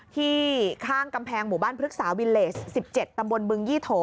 ที่ข้างกำแพงหมู่บ้านพฤกษาวิเลส๑๗ตำบลบึงยี่โถ